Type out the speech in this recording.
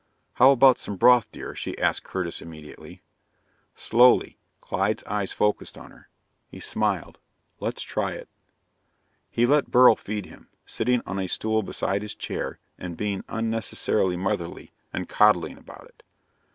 "How about some broth, dear?" she asked Curtis immediately. Slowly, Clyde's eyes focused on her. He smiled. "Let's try it." He let Beryl feed him, sitting on a stool beside his chair and being unnecessarily motherly and coddling about it.